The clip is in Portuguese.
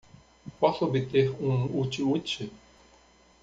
Posso obter um woot woot!?